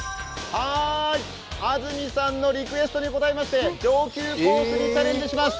安住さんのリクエストに応えまして上級コースにチャレンジします！